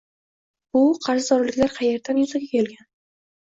Bu qarzdorliklar qayerdan yuzaga kelgan?